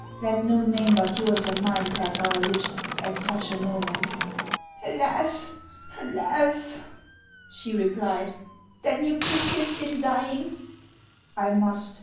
Let no name but yours and mine pass our lips at such a moment." " Alas ! alas !" she replied, " then you persist in dying ?"" I must.